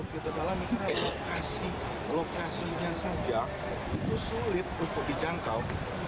kita dalam ini karena lokasi lokasinya saja itu sulit untuk dijangkau